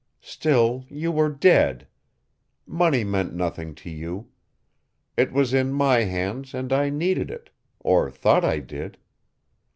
Still, you were dead. Money meant nothing to you. It was in my hands and I needed it, or thought I did.